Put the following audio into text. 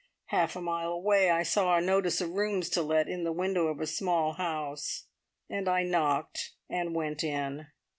Half a mile away I saw a notice of rooms to let in the window of a small house, and I knocked and went in.